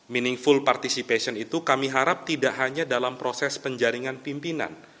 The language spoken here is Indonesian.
meaningful participation itu kami harap tidak hanya dalam proses penjaringan pimpinan